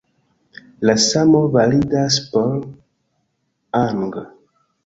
La samo validas por ang.